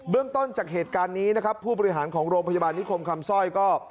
เรื่องต้นจากเหตุการณ์นี้นะครับผู้บริหารของโรงพยาบาลนิคมคำซ่อยก็